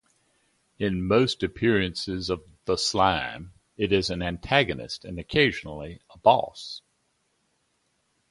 In most appearances of the Slime, it is an antagonist, and occasionally a boss.